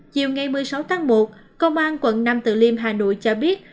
chiều ngày một mươi sáu tháng một công an quận nam tự liêm hà nội cho biết